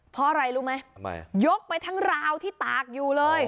เพราะอะไรรู้ไหมยกไปทั้งราวที่ตากอยู่เลย